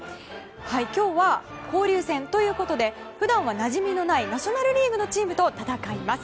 今日は交流戦ということで普段は、なじみのないナショナル・リーグのチームと戦います。